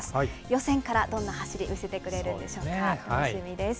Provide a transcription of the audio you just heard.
予選からどんな走り見せてくれるんでしょうか、楽しみです。